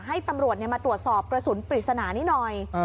ให้ตำรวจมาตรวจสอบกระสุนปริศนานี้หน่อย